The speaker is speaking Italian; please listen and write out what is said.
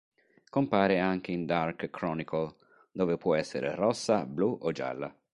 Compare anche in "Dark Chronicle", dove può essere rossa, blu o gialla.